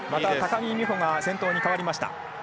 高木美帆が先頭に変わりました。